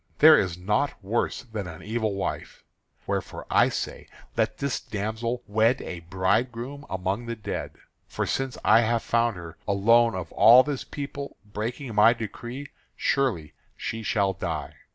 There is naught worse than an evil wife. Wherefore I say let this damsel wed a bridegroom among the dead. For since I have found her, alone of all this people, breaking my decree, surely she shall die.